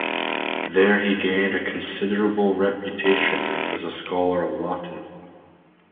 There he gained a considerable reputation as a scholar of Latin.